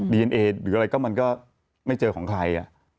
เอ็นเอหรืออะไรก็มันก็ไม่เจอของใคร